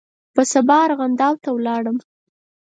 په سبا ارغنداو ته ولاړم.